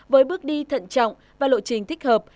với bước đi thận trọng và lộ trình thích hợp